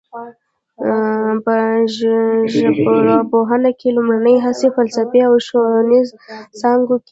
په ژبارواپوهنه کې لومړنۍ هڅې په فلسفي او ښوونیزو څانګو کې وې